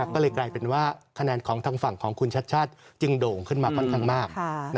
ก็เลยกลายเป็นว่าคะแนนของทางฝั่งของคุณชัดชาติจึงโด่งขึ้นมาค่อนข้างมาก